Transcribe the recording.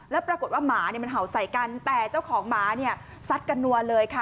แล้วปรากฏว่าหมาห่าวใส่กันแต่เจ้าของหมาสัดกันเลยค่ะ